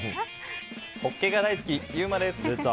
ホッケが大好き、ゆうまです。